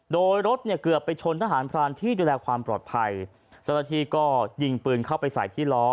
โดยรถเนี่ยเกือบไปชนทหารพรานที่ดูแลความปลอดภัยเจ้าหน้าที่ก็ยิงปืนเข้าไปใส่ที่ล้อ